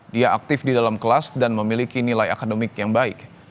dia aktif di dalam kelas dan memiliki nilai akademik yang baik